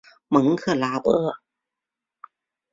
蒙克拉博。